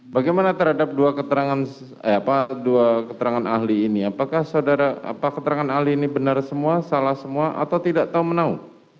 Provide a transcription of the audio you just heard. bagaimana terhadap dua keterangan ahli ini apakah keterangan ahli ini benar semua salah semua atau tidak tahu menau